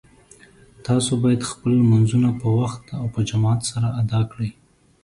تاسو باید خپل لمونځونه په وخت او په جماعت سره ادا کړئ